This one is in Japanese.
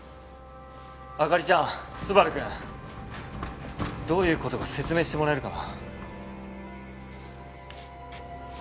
朱莉ちゃん昴くんどういう事か説明してもらえるかな？